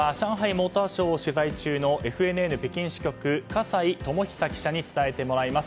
モーターショーを取材中のＦＮＮ北京支局、葛西友久記者に伝えてもらいます。